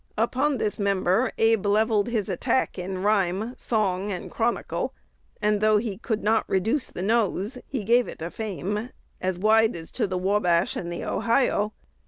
Upon this member Abe levelled his attack in rhyme, song, and "chronicle;" and, though he could not reduce the nose, he gave it a fame as wide as to the Wabash and the Ohio.